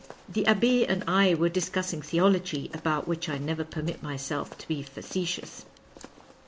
The Abbe and I were discussing theology, about which I never permit myself to be facetious."